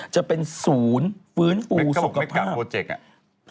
จะเป็นศูนย์ฟื้นฟูสุขภาพไม่กลับโปรเจกต์